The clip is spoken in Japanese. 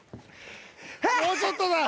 もうちょっとだ！